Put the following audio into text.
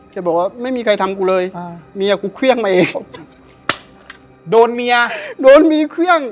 แกบอกว่าไม่มีใครทำกูเลยอ่าเมียกูเครื่องมาเองโดนเมียโดนมีเครื่อง